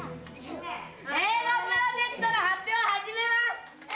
映画プロジェクトの発表を始めます。